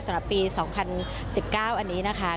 สำหรับปี๒๐๑๙อันนี้นะคะ